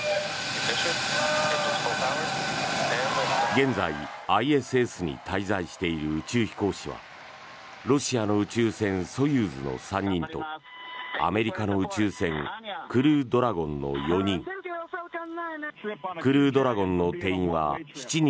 現在、ＩＳＳに滞在している宇宙飛行士はロシアの宇宙船ソユーズの３人とアメリカの宇宙船クルードラゴンの４人。